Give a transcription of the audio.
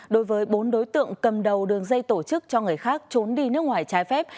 đối với bốn đối tượng cầm đầu đường dây tổ chức cho người khác trốn đi nước ngoài trái phép